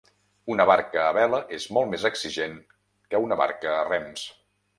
Una barca a vela és molt més exigent que una barca a rems.